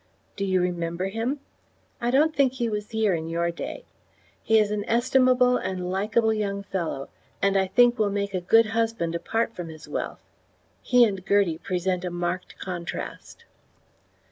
Do you remember him? I don't think he was here in your day. He is an estimable and likeable young fellow, and I think will make a good husband apart from his wealth. He and Gertie present a marked contrast.